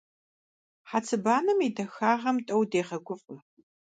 Хьэцыбанэм и дахагъэм тӀэу дегъэгуфӀэ.